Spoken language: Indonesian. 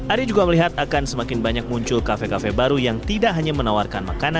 ari juga melihat akan semakin banyak muncul kafe kafe baru yang tidak terlalu berhasil